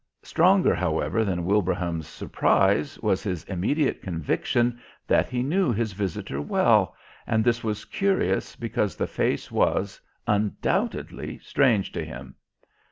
Stronger, however, than Wilbraham's surprise was his immediate conviction that he knew his visitor well, and this was curious because the face was, undoubtedly strange to him.